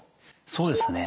そうですね。